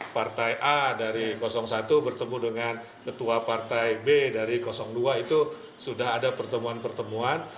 partai a dari satu bertemu dengan ketua partai b dari dua itu sudah ada pertemuan pertemuan